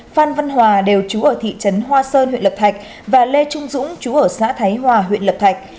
phan văn hòa đều trú ở thị trấn hoa sơn huyện lập thạch và lê trung dũng chú ở xã thái hòa huyện lập thạch